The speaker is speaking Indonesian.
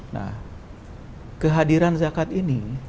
nah kehadiran zakat ini